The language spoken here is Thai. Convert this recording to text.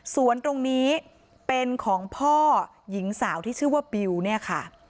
สวนตรงนี้เป็นของพ่อหญิงสาวที่ชื่อว่าบิวเนี่ยค่ะ